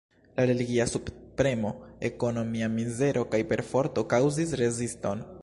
La religia subpremo, ekonomia mizero kaj perforto kaŭzis reziston.